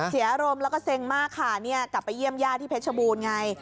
เสียอารมณ์แล้วก็เซ็งมากค่ะเนี่ยกลับไปเยี่ยมญาติที่เพชรบูรณ์ไง